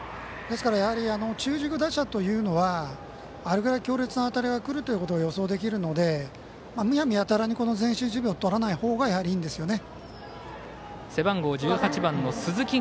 ですから、中軸打者というのはあれぐらい強烈な当たりがくるというのを予想できるので、むやみやたらに守備をとらないほうがいいんですよね。